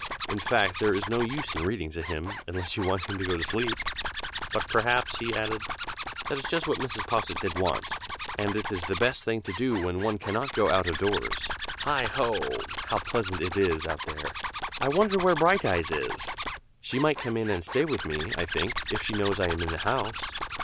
In fact, there is no use in reading to him, unless you want him to go to sleep. But perhaps," he added "that is just what Mrs. Posset did want, and it is the best thing to do when one cannot go out of doors. Heigh ho! how pleasant it is out there! I wonder where Brighteyes is! She might come in and stay with me, I think, if she knows I am in the house."